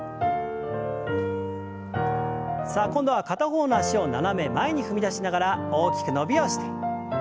さあ今度は片方の脚を斜め前に踏み出しながら大きく伸びをして。